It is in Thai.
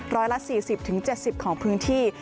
ร้อยละ๔๐๗๐ของพื้นที่